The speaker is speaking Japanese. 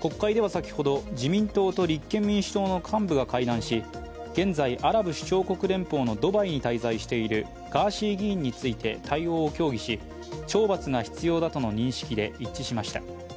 国会では先ほど、自民党と立憲民主党の幹部が会談し現在、アラブ首長国連邦のドバイに滞在しているガーシー議員について対応を協議し、懲罰が必要だとの認識で一致しました。